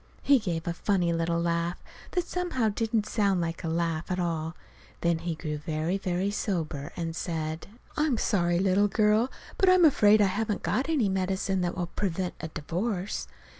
He gave a funny little laugh, that somehow didn't sound like a laugh at all. Then he grew very, very sober, and said: "I'm sorry, little girl, but I'm afraid I haven't got any medicine that will prevent a divorce.